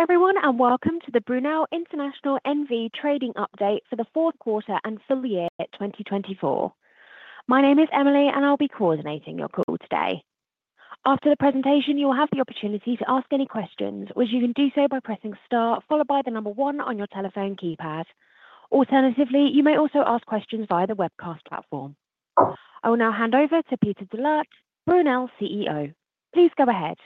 Hello everyone and welcome to the Brunel International N.V. Trading Update for the Fourth Quarter and Full Year 2024. My name is Emily and I'll be coordinating your call today. After the presentation, you will have the opportunity to ask any questions, which you can do so by pressing star followed by the number one on your telephone keypad. Alternatively, you may also ask questions via the webcast platform. I will now hand over to Peter de Laat, Brunel CEO. Please go ahead.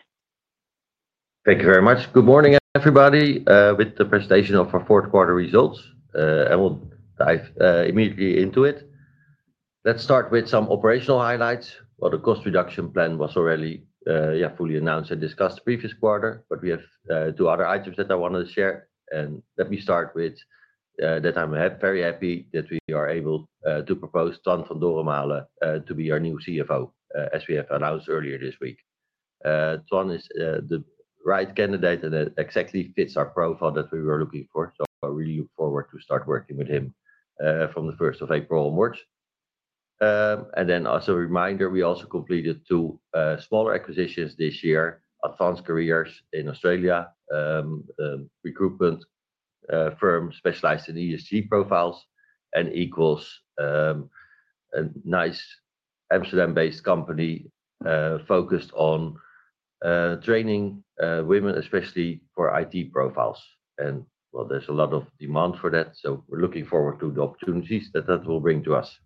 Thank you very much. Good morning, everybody, with the presentation of our fourth quarter results. I will dive immediately into it. Let's start with some operational highlights. The cost reduction plan was already fully announced and discussed the previous quarter, but we have two other items that I wanted to share. Let me start with that I'm very happy that we are able to propose Toine van Doremalen to be our new CFO as we have announced earlier this week. Toine is the right candidate and exactly fits our profile that we were looking for. I really look forward to start working with him from the 1st of April onwards. And then, as a reminder, we also completed two smaller acquisitions this year: Advance Careers in Australia, a recruitment firm specialized in ESG profiles, and Equals, a nice Amsterdam-based company focused on training women, especially for IT profiles. And well, there's a lot of demand for that. So we're looking forward to the opportunities that that will bring to us.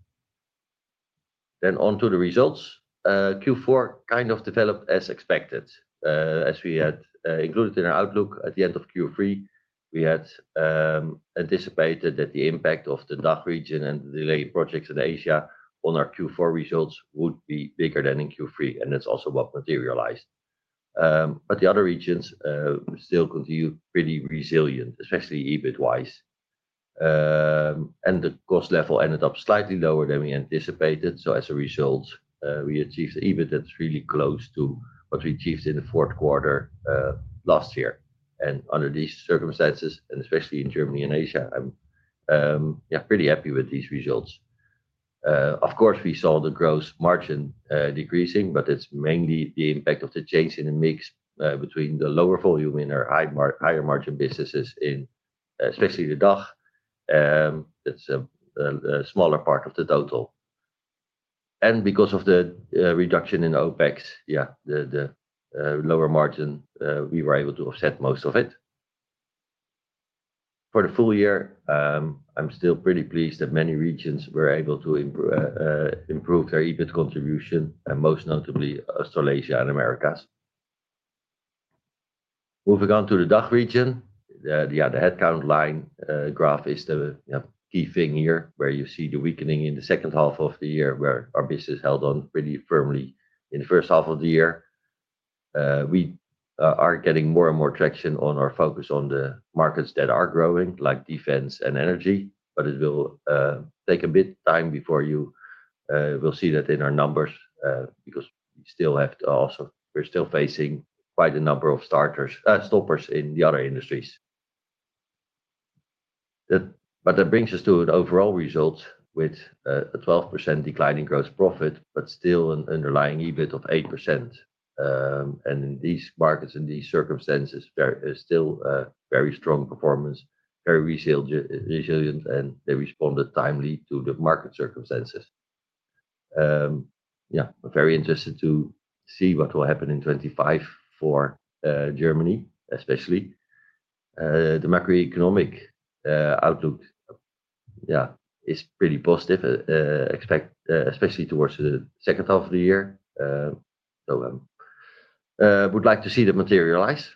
Then, on to the results. Q4 kind of developed as expected. As we had included in our outlook at the end of Q3, we had anticipated that the impact of the DACH region and the related projects in Asia on our Q4 results would be bigger than in Q3. And that's also what materialized. But the other regions still continue to be pretty resilient, especially EBIT-wise. And the cost level ended up slightly lower than we anticipated. So as a result, we achieved an EBIT that's really close to what we achieved in the fourth quarter last year. And under these circumstances, and especially in Germany and Asia, I'm pretty happy with these results. Of course, we saw the gross margin decreasing, but it's mainly the impact of the change in the mix between the lower volume and our higher margin businesses in especially the DACH. That's a smaller part of the total. And because of the reduction in OPEX, yeah, the lower margin, we were able to offset most of it. For the full year, I'm still pretty pleased that many regions were able to improve their EBIT contribution, and most notably Australasia and Americas. Moving on to the DACH region, the headcount line graph is the key thing here where you see the weakening in the second half of the year where our business held on pretty firmly in the first half of the year. We are getting more and more traction on our focus on the markets that are growing like defense and energy, but it will take a bit of time before you will see that in our numbers because we're still facing quite a number of stoppers in the other industries. But that brings us to an overall result with a 12% declining gross profit, but still an underlying EBIT of 8%. And in these markets, in these circumstances, there is still very strong performance, very resilient, and they responded timely to the market circumstances. Yeah, I'm very interested to see what will happen in 2025 for Germany, especially. The macroeconomic outlook, yeah, is pretty positive, especially towards the second half of the year. So I would like to see that materialize.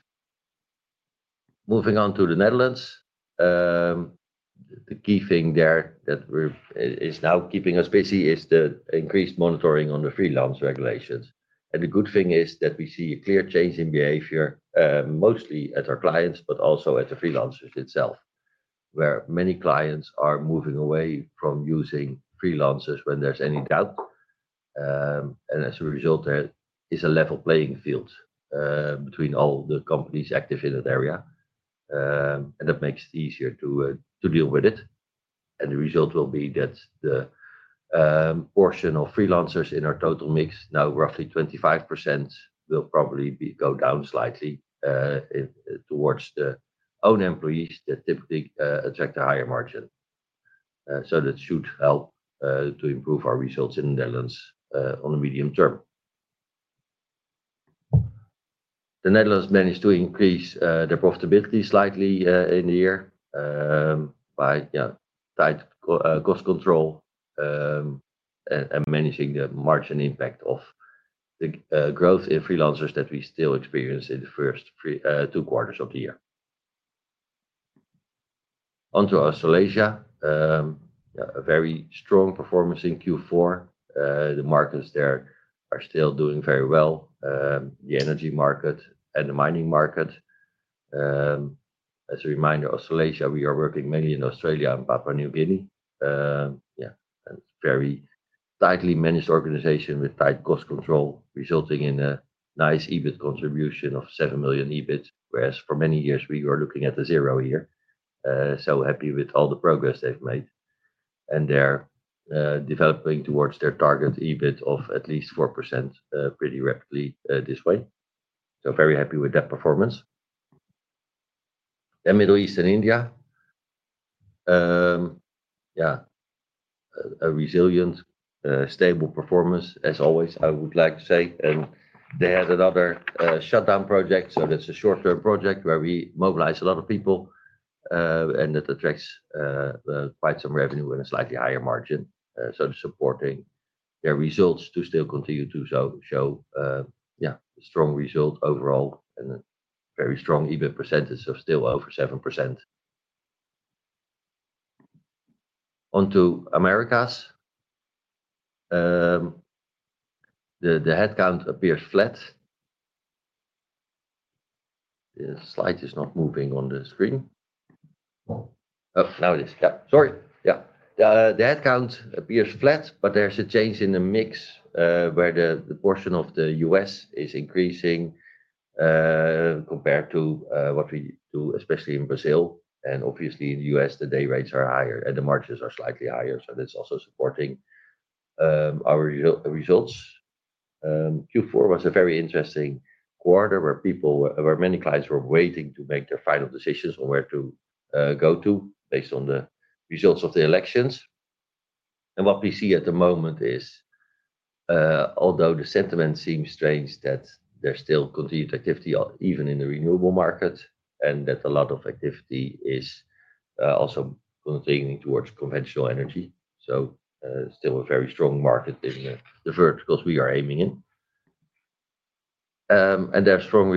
Moving on to the Netherlands, the key thing there that is now keeping us busy is the increased monitoring on the freelance regulations. And the good thing is that we see a clear change in behavior, mostly at our clients, but also at the freelancers itself, where many clients are moving away from using freelancers when there's any doubt. And as a result, there is a level playing field between all the companies active in that area. And that makes it easier to deal with it. And the result will be that the portion of freelancers in our total mix, now roughly 25%, will probably go down slightly towards the own employees that typically attract a higher margin. So that should help to improve our results in the Netherlands on a medium term. The Netherlands managed to increase their profitability slightly in the year by cost control and managing the margin impact of the growth in freelancers that we still experience in the first two quarters of the year. On to Australasia, a very strong performance in Q4. The markets there are still doing very well. The energy market and the mining market. As a reminder, Australasia, we are working mainly in Australia and Papua New Guinea. Yeah, a very tightly managed organization with tight cost control, resulting in a nice EBIT contribution of 7 million EBIT, whereas for many years we were looking at a zero here. So happy with all the progress they've made and they're developing towards their target EBIT of at least 4% pretty rapidly this way. So very happy with that performance. And Middle East and India. Yeah, a resilient, stable performance as always, I would like to say. And they had another shutdown project. So that's a short-term project where we mobilize a lot of people and that attracts quite some revenue and a slightly higher margin. So supporting their results to still continue to show, yeah, a strong result overall and a very strong EBIT percentage of still over 7%. On to Americas. The headcount appears flat. The slide is not moving on the screen. Oh, now it is. Yeah, sorry. Yeah, the headcount appears flat, but there's a change in the mix where the portion of the U.S. is increasing compared to what we do, especially in Brazil. And obviously in the U.S., the day rates are higher and the margins are slightly higher. So that's also supporting our results. Q4 was a very interesting quarter where many clients were waiting to make their final decisions on where to go to based on the results of the elections. And what we see at the moment is, although the sentiment seems strange, that there's still continued activity even in the renewable market and that a lot of activity is also continuing towards Conventional Energy. So still a very strong market in the verticals we are aiming in. And their strong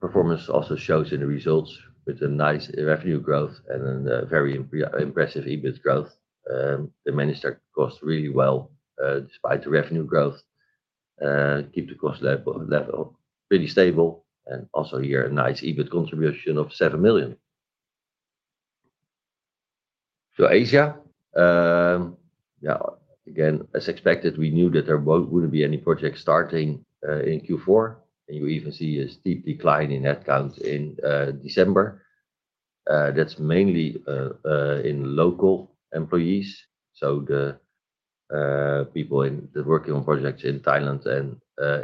performance also shows in the results with a nice revenue growth and a very impressive EBIT growth. They managed their cost really well despite the revenue growth, keep the cost level pretty stable, and also here a nice EBIT contribution of 7 million. Asia, yeah, again, as expected, we knew that there wouldn't be any projects starting in Q4. And you even see a steep decline in headcount in December. That's mainly in local employees. So the people working on projects in Thailand and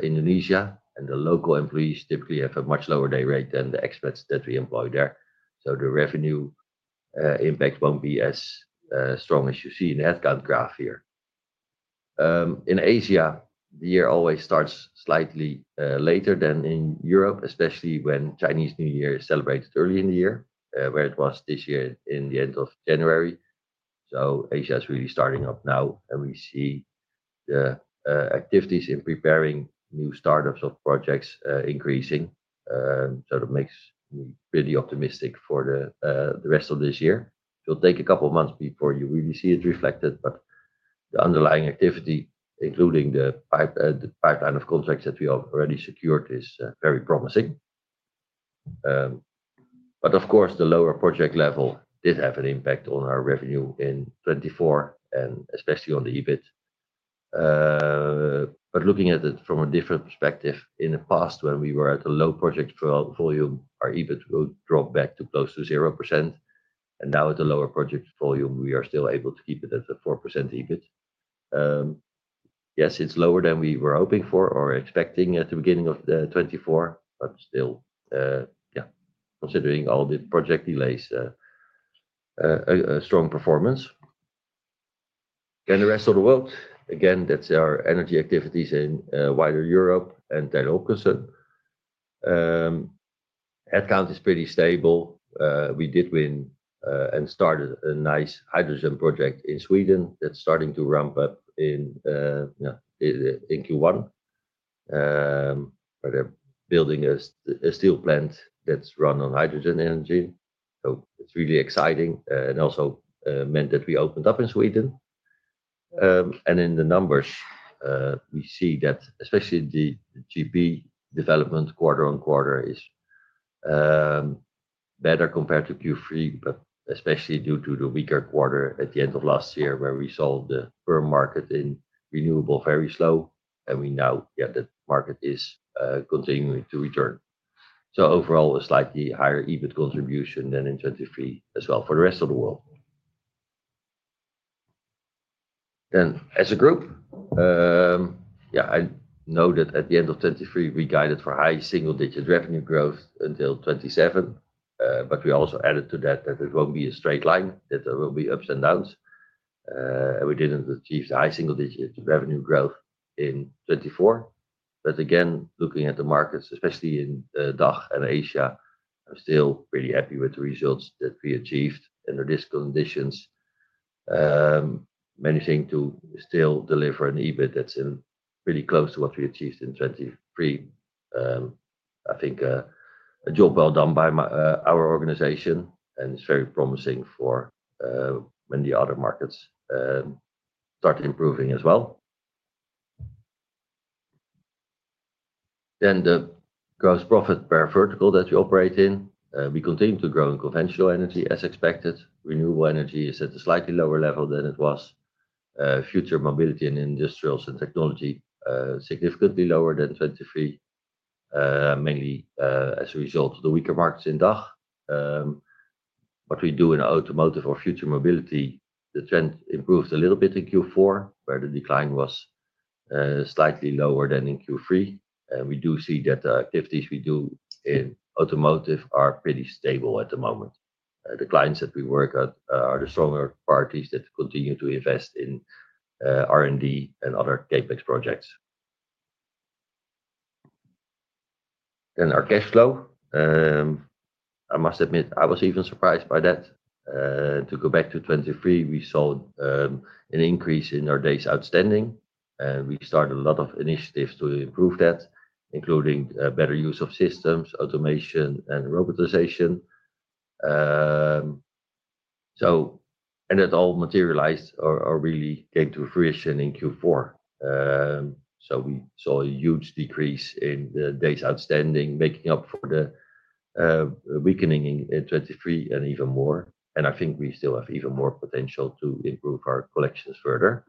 Indonesia and the local employees typically have a much lower day rate than the expats that we employ there. So the revenue impact won't be as strong as you see in the headcount graph here. In Asia, the year always starts slightly later than in Europe, especially when Chinese New Year is celebrated early in the year, where it was this year in the end of January. So Asia is really starting up now and we see the activities in preparing new startups of projects increasing. So it makes me pretty optimistic for the rest of this year. It'll take a couple of months before you really see it reflected, but the underlying activity, including the pipeline of contracts that we have already secured, is very promising. But of course, the lower project level did have an impact on our revenue in 2024 and especially on the EBIT. But looking at it from a different perspective, in the past when we were at a low project volume, our EBIT will drop back to close to 0%. And now at a lower project volume, we are still able to keep it at a 4% EBIT. Yes, it's lower than we were hoping for or expecting at the beginning of 2024, but still, yeah, considering all the project delays, a strong performance. And the rest of the world, again, that's our energy activities in wider Europe and then Taylor Hopkinson. Headcount is pretty stable. We did win and started a nice hydrogen project in Sweden that's starting to ramp up in Q1. They're building a steel plant that's run on hydrogen energy. So it's really exciting and also meant that we opened up in Sweden. And in the numbers, we see that especially the GB development quarter on quarter is better compared to Q3, but especially due to the weaker quarter at the end of last year where we saw the firm market in renewable very slow. And we know that market is continuing to return. Overall, a slightly higher EBIT contribution than in 2023 as well for the rest of the world. As a group, yeah, I know that at the end of 2023, we guided for high single-digit revenue growth until 2027. But we also added to that that it won't be a straight line, that there will be ups and downs. We didn't achieve the high single-digit revenue growth in 2024. But again, looking at the markets, especially in DACH and Asia, I'm still pretty happy with the results that we achieved under these conditions. Managing to still deliver an EBIT that's pretty close to what we achieved in 2023. I think a job well done by our organization and it's very promising for many other markets and start improving as well. Then the gross profit per vertical that we operate in, we continue to grow in Conventional Energy as expected. Renewable Energy is at a slightly lower level than it was. Future Mobility and Industrials and Technology significantly lower than 2023, mainly as a result of the weaker markets in DACH. What we do in Automotive or Future Mobility, the trend improves a little bit in Q4, where the decline was slightly lower than in Q3. And we do see that the activities we do in Automotive are pretty stable at the moment. The clients that we work on are the stronger parties that continue to invest in R&D and other CapEx projects. Then our cash flow. I must admit, I was even surprised by that. To go back to 2023, we saw an increase in our days outstanding. We started a lot of initiatives to improve that, including better use of systems, automation, and robotization. That all materialized or really came to fruition in Q4. We saw a huge decrease in the days outstanding, making up for the weakening in 2023 and even more. I think we still have even more potential to improve our collections further.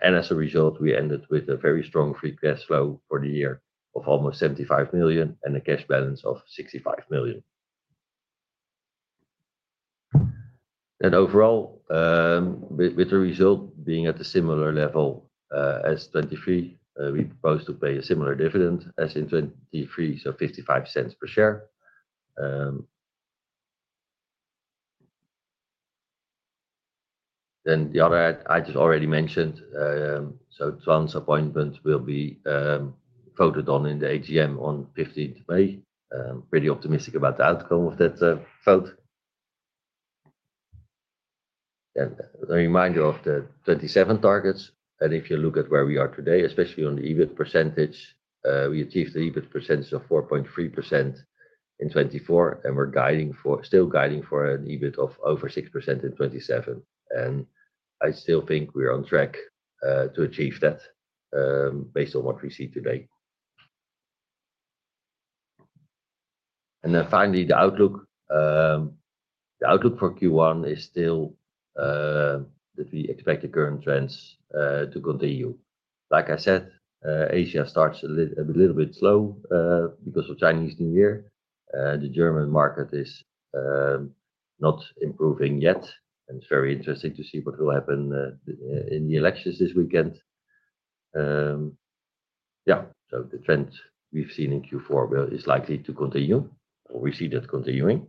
As a result, we ended with a very strong free cash flow for the year of almost 75 million and a cash balance of 65 million. Overall, with the result being at a similar level as 2023, we proposed to pay a similar dividend as in 2023, so 0.55 per share. The other item I just already mentioned, Toine's appointment will be voted on in the AGM on 15th May. Pretty optimistic about the outcome of that vote. A reminder of the 2027 targets. If you look at where we are today, especially on the EBIT percentage, we achieved the EBIT percentage of 4.3% in 2024, and we're still guiding for an EBIT of over 6% in 2027. I still think we're on track to achieve that based on what we see today. Then finally, the outlook. The outlook for Q1 is still that we expect the current trends to continue. Like I said, Asia starts a little bit slow because of Chinese New Year. The German market is not improving yet, and it's very interesting to see what will happen in the elections this weekend. Yeah, so the trend we've seen in Q4 is likely to continue, and we see that continuing.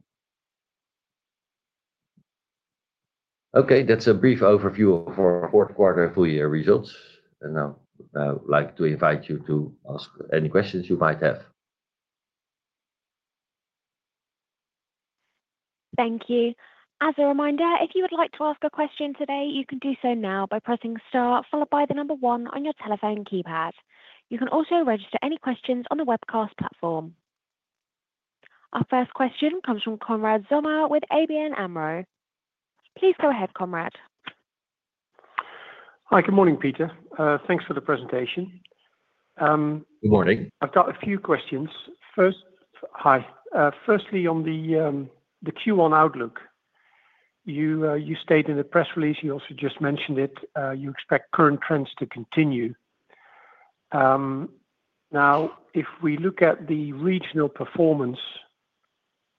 Okay, that's a brief overview of our fourth quarter full year results. And now I'd like to invite you to ask any questions you might have. Thank you. As a reminder, if you would like to ask a question today, you can do so now by pressing star, followed by the number one on your telephone keypad. You can also register any questions on the webcast platform. Our first question comes from Konrad Zomer with ABN AMRO. Please go ahead, Konrad. Hi, good morning, Peter. Thanks for the presentation. Good morning. I've got a few questions. First, hi. Firstly, on the Q1 outlook, you stated in the press release, you also just mentioned it, you expect current trends to continue. Now, if we look at the regional performance,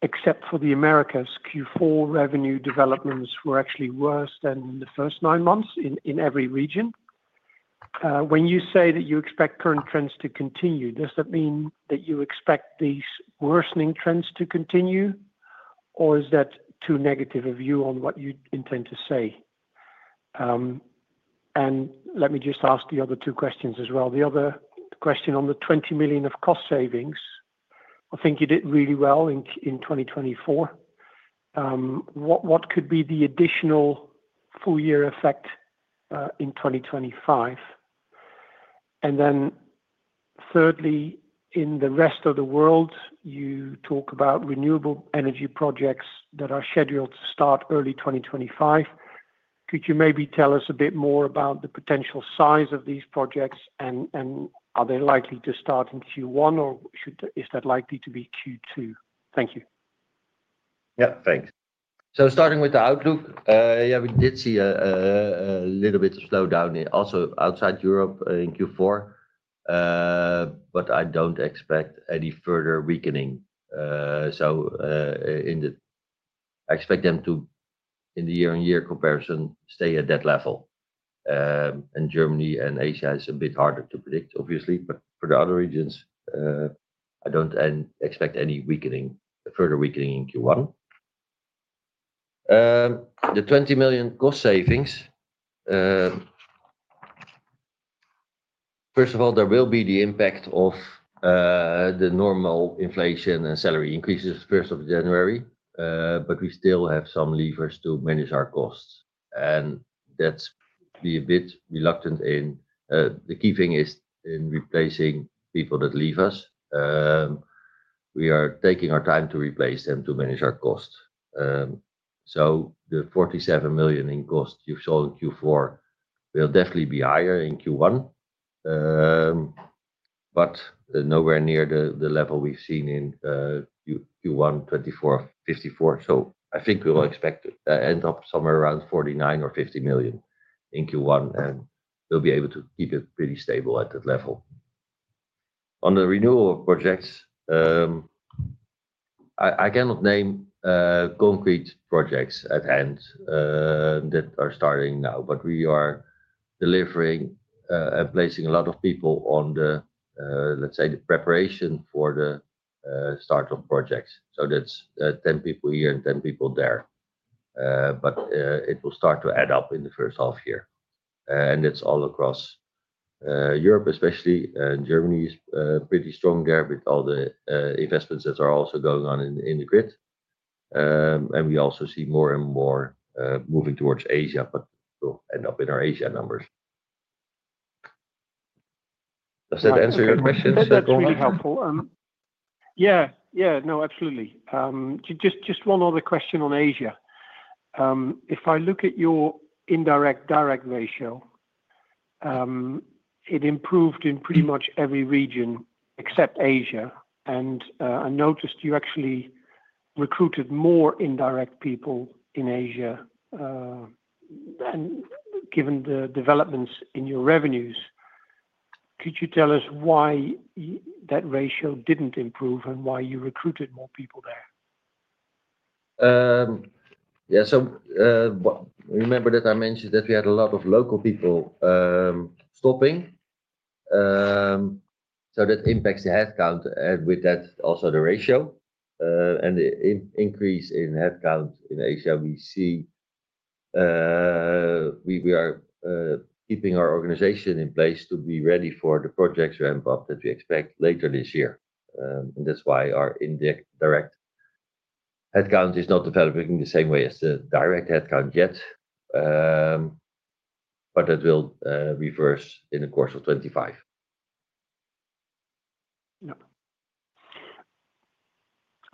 except for the Americas, Q4 revenue developments were actually worse than in the first nine months in every region. When you say that you expect current trends to continue, does that mean that you expect these worsening trends to continue, or is that too negative a view on what you intend to say? And let me just ask the other two questions as well. The other question on the 20 million of cost savings, I think you did really well in 2024. What could be the additional full year effect in 2025? And then thirdly, in the rest of the world, you talk about Renewable Energy projects that are scheduled to start early 2025. Could you maybe tell us a bit more about the potential size of these projects, and are they likely to start in Q1, or is that likely to be Q2? Thank you. Yeah, thanks. So starting with the outlook, yeah, we did see a little bit of slowdown also outside Europe in Q4, but I don't expect any further weakening. So I expect them to, in the year-on-year comparison, stay at that level. And Germany and Asia is a bit harder to predict, obviously, but for the other regions, I don't expect any further weakening in Q1. The EUR 20 million cost savings. First of all, there will be the impact of the normal inflation and salary increases 1st of January, but we still have some levers to manage our costs. And that's by being a bit reluctant, and the key thing is in replacing people that leave us. We are taking our time to replace them to manage our costs. The 47 million in cost you saw in Q4 will definitely be higher in Q1, but nowhere near the level we've seen in Q1 2024, 54. I think we will expect to end up somewhere around 49 million or 50 million in Q1, and we'll be able to keep it pretty stable at that level. On the renewable projects, I cannot name concrete projects at hand that are starting now, but we are delivering and placing a lot of people on the, let's say, the preparation for the startup projects. That's 10 people here and 10 people there. It will start to add up in the first half year. It's all across Europe, especially. Germany is pretty strong there with all the investments that are also going on in the grid. And we also see more and more moving towards Asia, but we'll end up in our Asia numbers. Does that answer your question? That's really helpful. Yeah, yeah, no, absolutely. Just one other question on Asia. If I look at your indirect-direct ratio, it improved in pretty much every region except Asia. And I noticed you actually recruited more indirect people in Asia. And given the developments in your revenues, could you tell us why that ratio didn't improve and why you recruited more people there? Yeah, so remember that I mentioned that we had a lot of local people stopping. So that impacts the headcount, and with that, also the ratio. And the increase in headcount in Asia, we see we are keeping our organization in place to be ready for the projects ramp up that we expect later this year. That's why our indirect headcount is not developing in the same way as the direct headcount yet. But that will reverse in the course of 2025.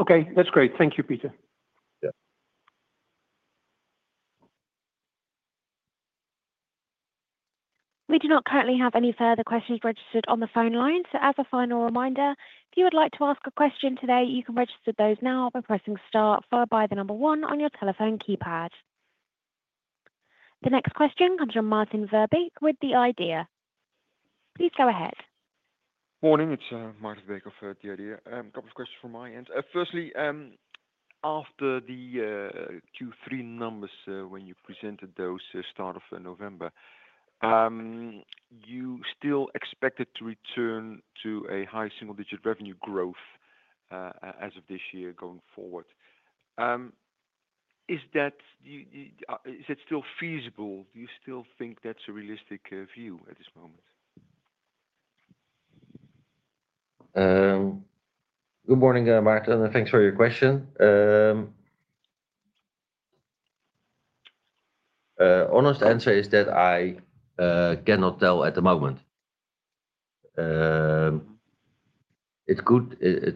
Okay, that's great. Thank you, Peter. We do not currently have any further questions registered on the phone line. So as a final reminder, if you would like to ask a question today, you can register those now by pressing star, followed by the number one on your telephone keypad. The next question comes from Maarten Verbeek with the IDEA! Please go ahead. Morning, it's Maarten Verbeek of the IDEA! A couple of questions from my end. Firstly, after the Q3 numbers, when you presented those start of November, you still expected to return to a high single-digit revenue growth as of this year going forward. Is that still feasible? Do you still think that's a realistic view at this moment? Good morning, Maarten. Thanks for your question. Honest answer is that I cannot tell at the moment. It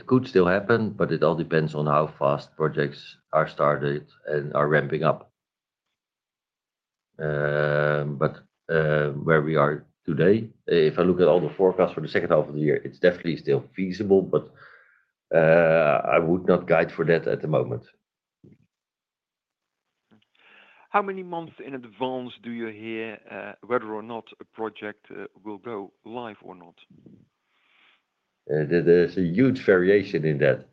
could still happen, but it all depends on how fast projects are started and are ramping up. But where we are today, if I look at all the forecasts for the second half of the year, it's definitely still feasible, but I would not guide for that at the moment. How many months in advance do you hear whether or not a project will go live or not? There's a huge variation in that.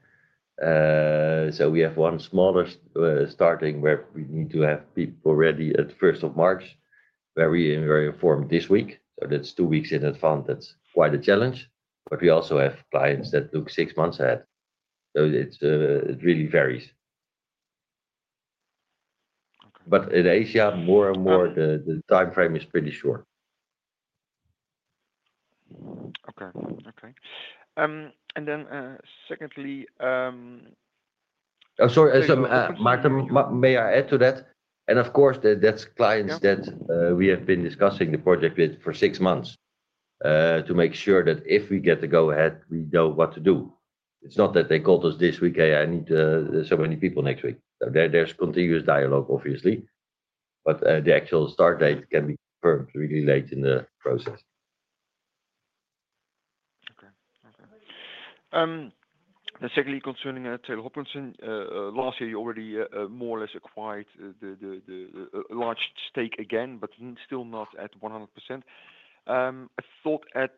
So we have one smaller starting where we need to have people ready at 1st of March, where we are informed this week. So that's two weeks in advance. That's quite a challenge. But we also have clients that look six months ahead. So it really varies. But in Asia, more and more, the timeframe is pretty short. Okay, okay, and then secondly. Sorry, Maarten, may I add to that, and of course, that's clients that we have been discussing the project with for six months to make sure that if we get the go-ahead, we know what to do. It's not that they called us this week, "Hey, I need so many people next week." There's continuous dialogue, obviously. But the actual start date can be confirmed really late in the process. Okay, okay. Secondly, concerning Taylor Hopkinson, last year, you already more or less acquired a large stake again, but still not at 100%. I thought at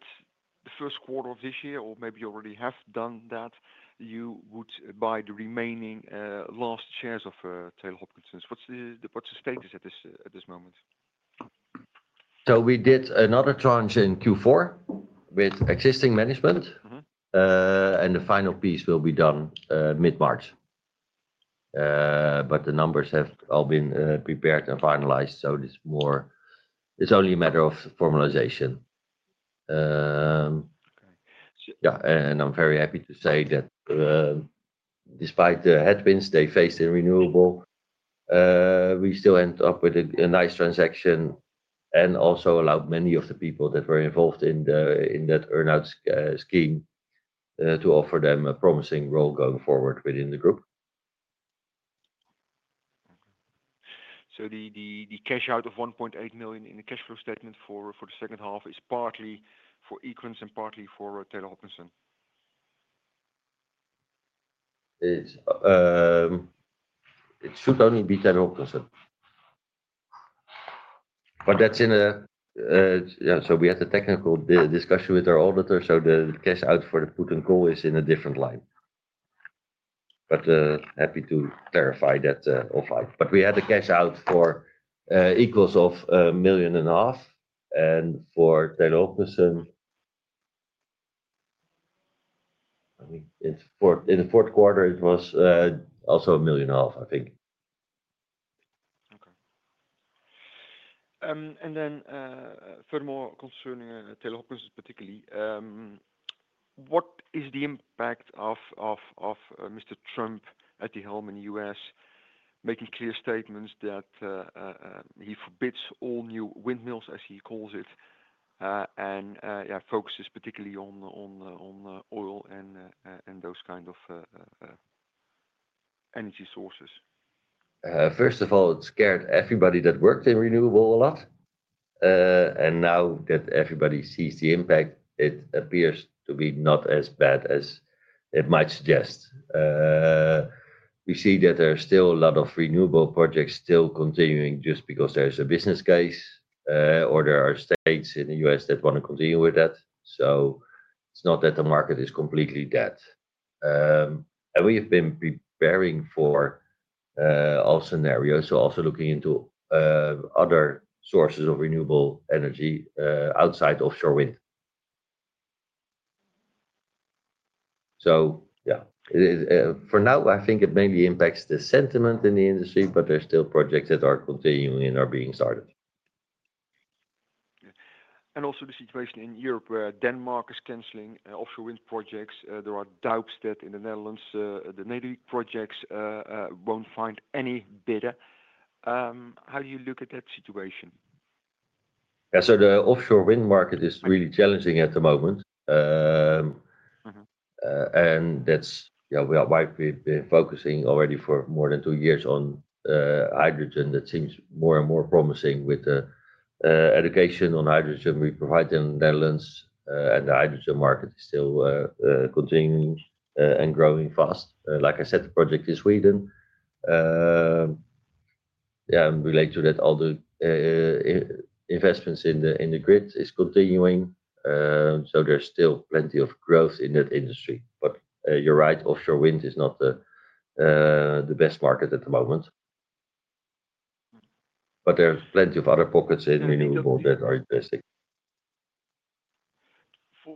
the first quarter of this year, or maybe you already have done that, you would buy the remaining last shares of Taylor Hopkinson. What's the status at this moment, So we did another tranche in Q4 with existing management, and the final piece will be done mid-March. But the numbers have all been prepared and finalized. So it's only a matter of formalization. Yeah, and I'm very happy to say that despite the headwinds they faced in renewable, we still ended up with a nice transaction and also allowed many of the people that were involved in that earnout scheme to offer them a promising role going forward within the group. So the cash out of 1.8 million in the cash flow statement for the second half is partly for Equals and partly for Taylor Hopkinson? It should only be Taylor Hopkinson. But that's in a, yeah, so we had a technical discussion with our auditor. So the cash out for the put and call is in a different line. But happy to clarify that or fight. But we had the cash out for Equals of 1.5 million. And for Taylor Hopkinson, in the fourth quarter, it was also 1.5 million, I think. Okay. And then furthermore, concerning Taylor Hopkinson particularly, what is the impact of Mr. Trump at the helm in the U.S., making clear statements that he forbids all new windmills, as he calls it, and focuses particularly on oil and those kinds of energy sources? First of all, it scared everybody that worked in renewable a lot. And now that everybody sees the impact, it appears to be not as bad as it might suggest. We see that there are still a lot of renewable projects still continuing just because there's a business case or there are states in the U.S. that want to continue with that. So it's not that the market is completely dead. And we have been preparing for all scenarios, so also looking into other sources of renewable energy outside offshore wind. So yeah, for now, I think it mainly impacts the sentiment in the industry, but there's still projects that are continuing and are being started. And also the situation in Europe where Denmark is canceling offshore wind projects. There are doubts that in the Netherlands, the Navy projects won't find any bidder. How do you look at that situation? Yeah, so the offshore wind market is really challenging at the moment. And that's why we've been focusing already for more than two years on hydrogen. That seems more and more promising with the education on hydrogen. We provide them in the Netherlands, and the hydrogen market still continues and growing fast. Like I said, the project is Sweden. Yeah, and related to that, all the investments in the grid are continuing. So there's still plenty of growth in that industry. But you're right, offshore wind is not the best market at the moment. But there are plenty of other pockets in renewable that are investing.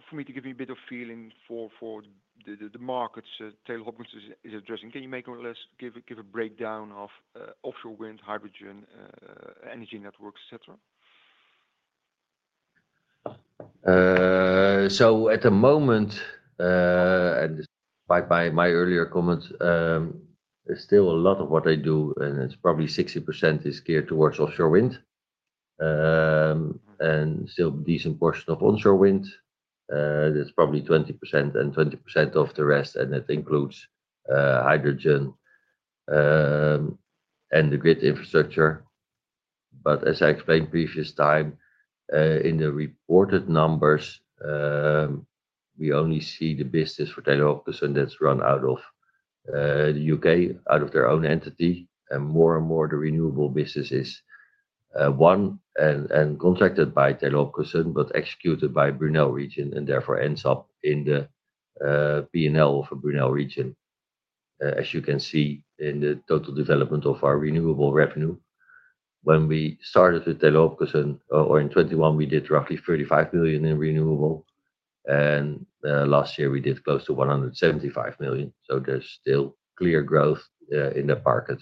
For me to give you a bit of feeling for the markets Taylor Hopkinson is addressing, can you more or less give a breakdown of offshore wind, hydrogen, energy networks, etc.? So at the moment, and by my earlier comments, still a lot of what I do, and it's probably 60% is geared towards offshore wind. And still a decent portion of onshore wind. That's probably 20% and 20% of the rest, and that includes hydrogen and the grid infrastructure. But as I explained previous time, in the reported numbers, we only see the business for Taylor Hopkinson that's run out of the U.K., out of their own entity. And more and more, the renewable business is won and contracted by Taylor Hopkinson, but executed by Brunel region, and therefore ends up in the P&L of a Brunel region, as you can see in the total development of our renewable revenue. When we started with Taylor Hopkinson, or in 2021, we did roughly 35 million in renewable. And last year, we did close to 175 million. So there's still clear growth in that market.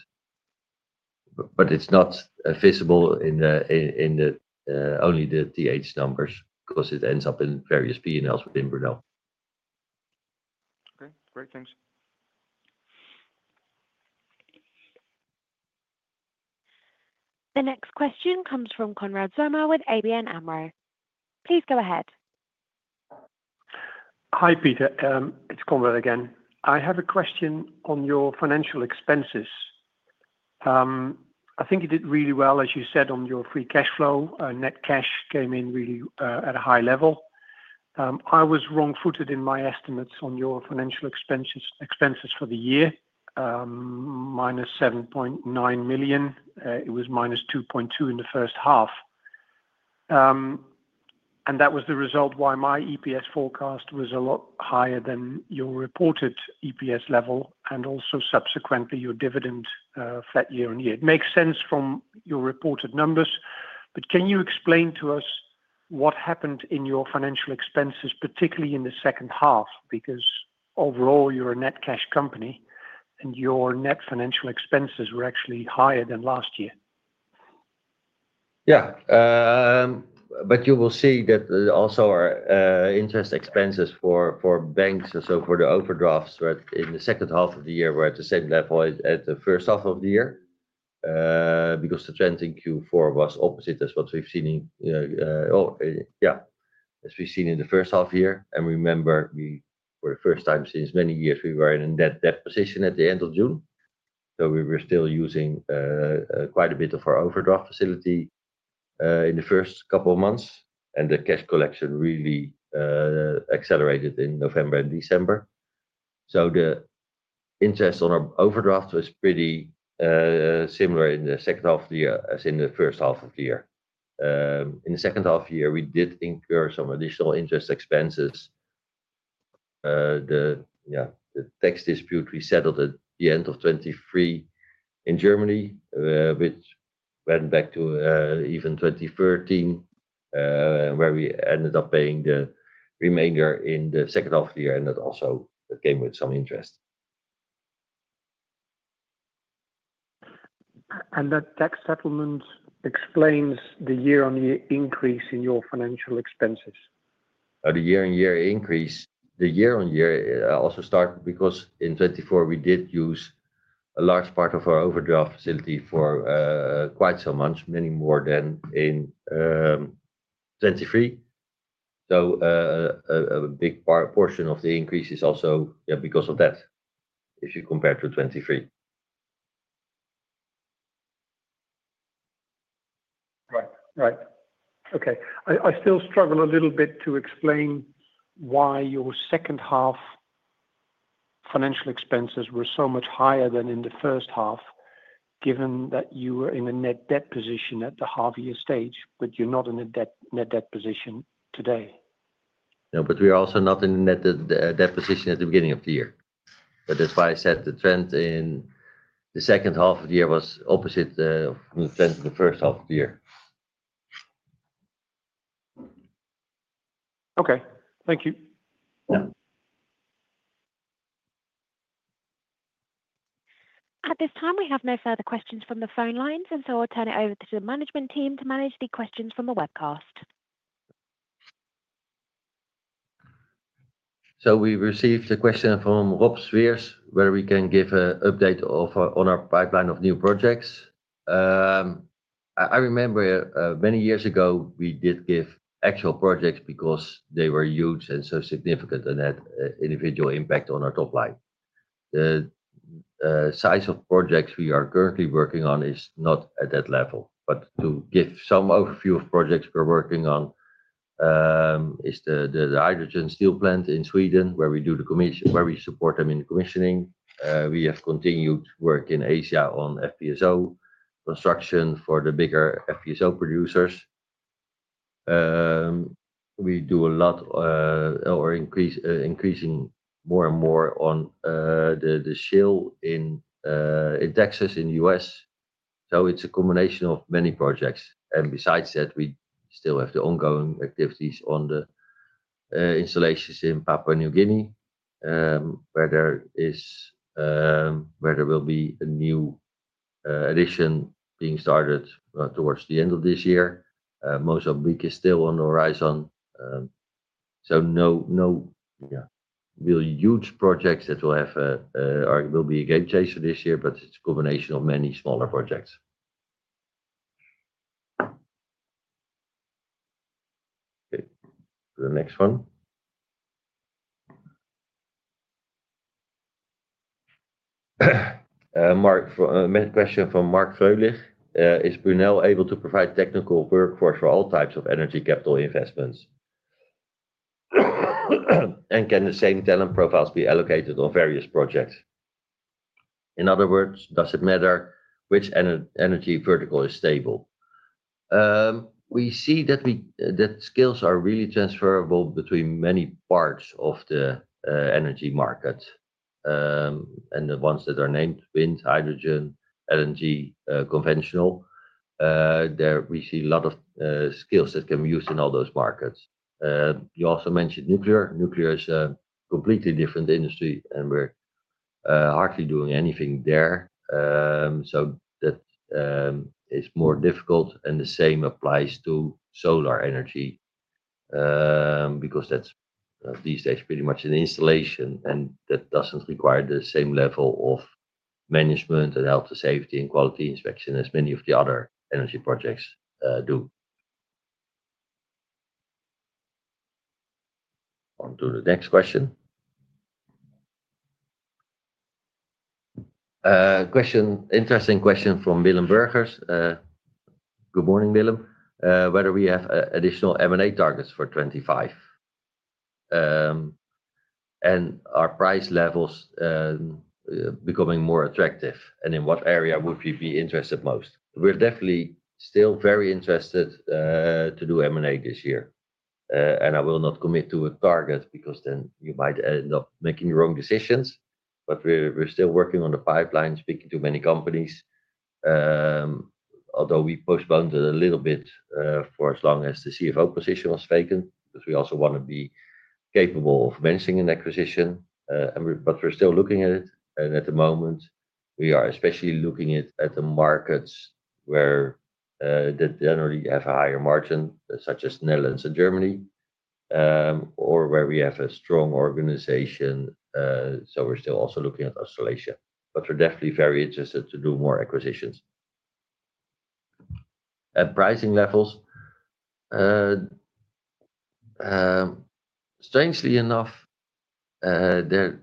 But it's not visible in only the TH numbers because it ends up in various P&Ls within Brunel. Okay, great, thanks. The next question comes from Konrad Zomer with ABN AMRO. Please go ahead. Hi Peter, it's Konrad again. I have a question on your financial expenses. I think you did really well, as you said, on your free cash flow. Net cash came in really at a high level. I was wrong-footed in my estimates on your financial expenses for the year, minus 7.9 million. It was minus 2.2 million in the first half, and that was the result why my EPS forecast was a lot higher than your reported EPS level, and also subsequently your dividend fed year on year. It makes sense from your reported numbers, but can you explain to us what happened in your financial expenses, particularly in the second half? Because overall, you're a net cash company, and your net financial expenses were actually higher than last year. Yeah, but you will see that also our interest expenses for banks, so for the overdrafts in the second half of the year, were at the same level as the first half of the year. Because the trend in Q4 was opposite as what we've seen, yeah, as we've seen in the first half year. Remember, for the first time since many years, we were in a net debt position at the end of June. So we were still using quite a bit of our overdraft facility in the first couple of months. And the cash collection really accelerated in November and December. So the interest on our overdraft was pretty similar in the second half of the year as in the first half of the year. In the second half of the year, we did incur some additional interest expenses. The tax dispute we settled at the end of 2023 in Germany, which went back to even 2013, where we ended up paying the remainder in the second half of the year, and that also came with some interest. And that tax settlement explains the year-on-year increase in your financial expenses. The year-on-year increase, the year-on-year also started because in 2024, we did use a large part of our overdraft facility for quite so much, many more than in 2023. So a big portion of the increase is also because of that, if you compare to 2023. Right, right. Okay. I still struggle a little bit to explain why your second half financial expenses were so much higher than in the first half, given that you were in a net debt position at the half-year stage, but you're not in a net debt position today. No, but we are also not in a net debt position at the beginning of the year. But that's why I said the trend in the second half of the year was opposite from the trend in the first half of the year. Okay, thank you. At this time, we have no further questions from the phone lines, and so I'll turn it over to the management team to manage the questions from the webcast. So we received a question from Rob Sweers, where we can give an update on our pipeline of new projects. I remember many years ago, we did give actual projects because they were huge and so significant and had individual impact on our top line. The size of projects we are currently working on is not at that level. But to give some overview of projects we're working on is the hydrogen steel plant in Sweden, where we do the commission, where we support them in commissioning. We have continued work in Asia on FPSO construction for the bigger FPSO producers. We do a lot or increasing more and more on the shale in Texas in the U.S. So it's a combination of many projects. And besides that, we still have the ongoing activities on the installations in Papua New Guinea, where there will be a new addition being started towards the end of this year. Mozambique is still on the horizon. So no huge projects that will have or will be a game changer this year, but it's a combination of many smaller projects. Okay, the next one. Question from Marc Fröhlich. Is Brunel able to provide technical workforce for all types of energy capital investments? Can the same talent profiles be allocated on various projects? In other words, does it matter which energy vertical is stable? We see that skills are really transferable between many parts of the energy market. The ones that are named wind, hydrogen, LNG, conventional, there we see a lot of skills that can be used in all those markets. You also mentioned nuclear. Nuclear is a completely different industry, and we're hardly doing anything there. So that is more difficult, and the same applies to solar energy because that's these days pretty much an installation, and that doesn't require the same level of management and health and safety and quality inspection as many of the other energy projects do. Onto the next question. Interesting question from Willem Burgers. Good morning, Willem. Whether we have additional M&A targets for 2025 and are price levels becoming more attractive, and in what area would we be interested most? We're definitely still very interested to do M&A this year, and I will not commit to a target because then you might end up making the wrong decisions, but we're still working on the pipeline, speaking to many companies, although we postponed it a little bit for as long as the CFO position was vacant because we also want to be capable of managing an acquisition, but we're still looking at it, and at the moment, we are especially looking at the markets where they generally have a higher margin, such as Netherlands and Germany, or where we have a strong organization, so we're still also looking at Australasia, but we're definitely very interested to do more acquisitions, and pricing levels. Strangely enough, there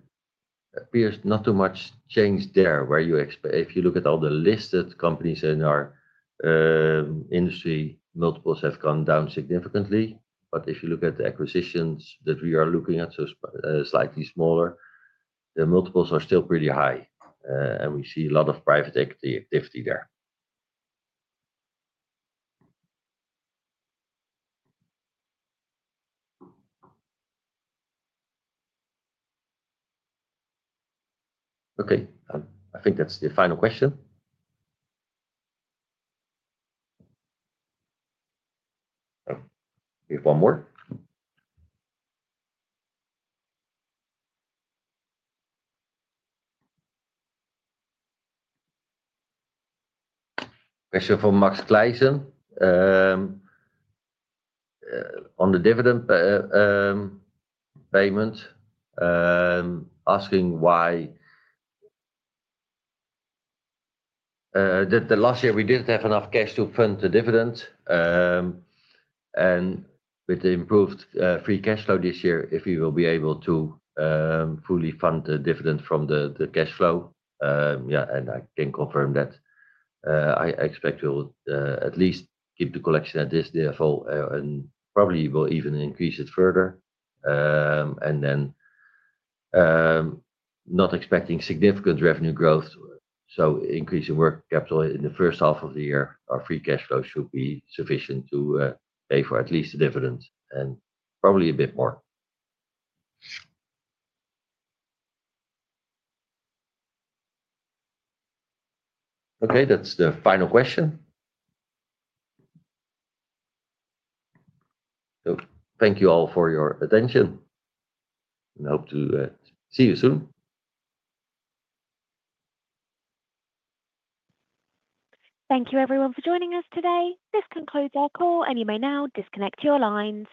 appears not too much change there where you expect. If you look at all the listed companies in our industry, multiples have gone down significantly. But if you look at the acquisitions that we are looking at, so slightly smaller, the multiples are still pretty high, and we see a lot of private equity activity there. Okay, I think that's the final question. We have one more. Question from Max Klijsen. On the dividend payment, asking why the last year we didn't have enough cash to fund the dividend, and with the improved free cash flow this year, if we will be able to fully fund the dividend from the cash flow. Yeah, and I can confirm that. I expect we will at least keep the collection at this level and probably will even increase it further, and then not expecting significant revenue growth. So, increasing working capital in the first half of the year, our free cash flow should be sufficient to pay for at least the dividend and probably a bit more. Okay, that's the final question. So thank you all for your attention. And hope to see you soon. Thank you, everyone, for joining us today. This concludes our call, and you may now disconnect your lines.